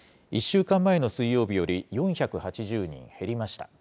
１週間前の水曜日より４８０人減りました。